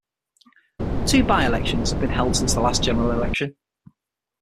Two byelections have been held since the last general election.